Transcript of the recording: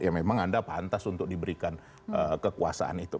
ya memang anda pantas untuk diberikan kekuasaan itu